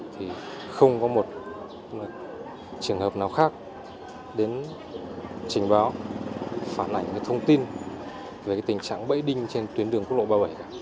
thì không có một trường hợp nào khác đến trình báo phản ảnh cái thông tin về tình trạng bẫy đinh trên tuyến đường quốc lộ ba mươi bảy cả